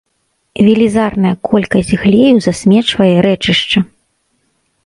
Велізарная колькасць глею засмечвае рэчышча.